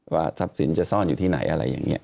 ทรัพย์สินจะซ่อนอยู่ที่ไหนอะไรอย่างนี้